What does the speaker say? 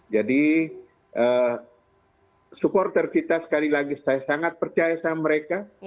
jadi supporter kita sekali lagi saya sangat percaya sama mereka